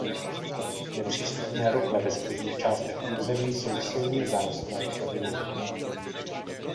Nepřístupné rokle ve spodních částech území jsou silně zarostlé křovinami.